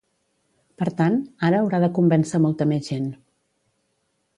Per tant, ara haurà de convèncer molta més gent.